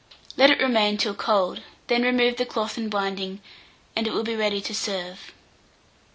Let it remain till cold; then remove the cloth and binding, and it will be ready to serve.